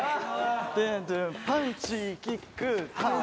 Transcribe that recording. パンチキックターン。